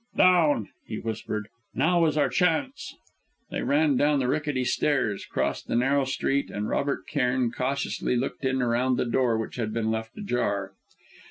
"Down!" he whispered. "Now is our chance!" They ran down the rickety stairs, crossed the narrow street, and Robert Cairn cautiously looked in around the door which had been left ajar.